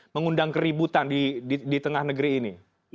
mengundang keributan di tengah negeri ini